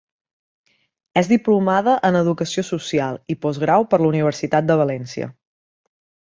És diplomada en Educació Social i Postgrau per la Universitat de València.